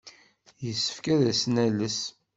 Yessefk ad as-nales.